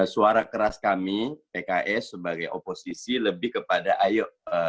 suara keras kami pks sebagai oposisi lebih kepada ayo